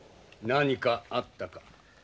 何かあったか？